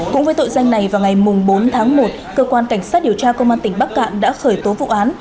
cũng với tội danh này vào ngày bốn tháng một cơ quan cảnh sát điều tra công an tỉnh bắc cạn đã khởi tố vụ án